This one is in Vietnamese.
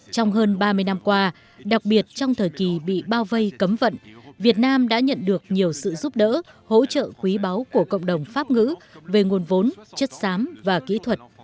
trong hơn ba mươi năm qua đặc biệt trong thời kỳ bị bao vây cấm vận việt nam đã nhận được nhiều sự giúp đỡ hỗ trợ quý báu của cộng đồng pháp ngữ về nguồn vốn chất xám và kỹ thuật